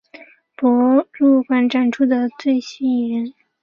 博物馆展出的最吸引人的物品之一是一件真人大小的宝塔。